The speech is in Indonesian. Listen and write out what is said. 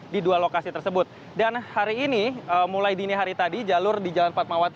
dan hari ini mulai dini hari tadi jalur di jalan fatmawati